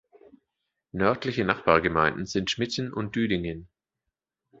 Nördliche Nachbargemeinden sind Schmitten und Düdingen.